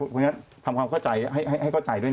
เพราะฉะนั้นทำความเข้าใจให้เข้าใจด้วยนะ